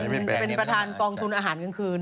เป็นประธานกองทุนอาหารกลางคืน